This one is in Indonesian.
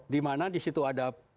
dimana disitu ada